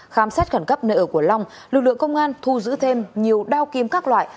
khám xét khẩn cấp nơi ở của long lực lượng công an thu giữ thêm nhiều đao kim các loại